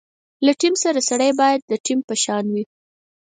له ټیم سره سړی باید ټیم په شان وي.